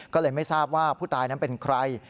ก็เลยไม่ทราบว่าผู้ตายนั้นเป็นใคร